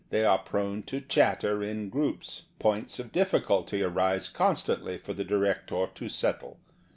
They are prone to chatter in groups. Points of difficulty arise constantly for the director to settle.